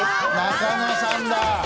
中野さんだ。